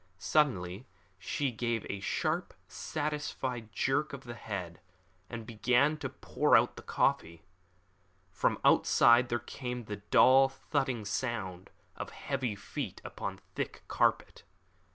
Suddenly she gave a sharp, satisfied jerk of the head, and began to pour out the coffee. From outside there came the dull thudding sound of heavy feet upon thick carpet.